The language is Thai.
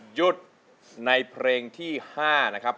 หยุดในเพลงที่๕นะครับ